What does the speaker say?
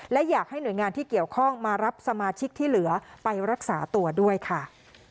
และอยากให้หน่วยงานที่เกี่ยวข้องมารับสมาชิกที่เหลือไปรักษาตัวด้วยค่ะ